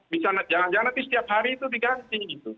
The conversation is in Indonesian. bisa jangan jangan nanti setiap hari itu diganti gitu